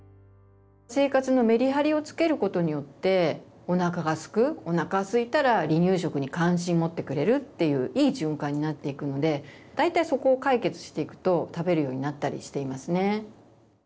生活のメリハリをつけることによっておなかがすくおなかすいたら離乳食に関心持ってくれるっていういい循環になっていくので大体そこを解決していくと食べるようになったりしていますね。